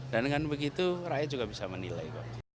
dan dengan begitu rakyat juga bisa menilai